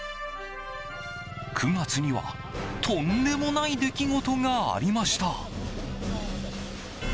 ９月には、とんでもない出来事がありました。